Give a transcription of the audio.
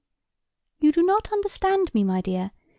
"You do not understand me, my dear.